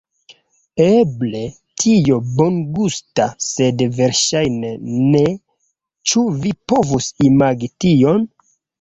Eble, tio bongustas sed verŝajne ne... ĉu vi povus imagi tion?